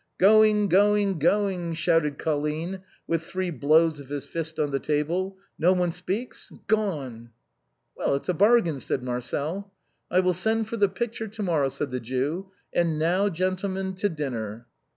" Going ! going ! going Î '" shouted Colline, with three blows of his first on the table, " no one speaks ?— gone !"" Well, it's a bargain !" said Marcel. " I will send for the picture to morrow," said the Jew ;" and now, gentlemen, to dinner